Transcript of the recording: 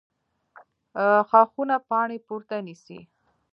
ښاخونه پاڼې پورته نیسي